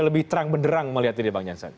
lebih terang benderang melihat ini bang jansen